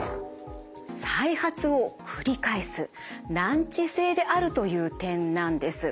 再発を繰り返す難治性であるという点なんです。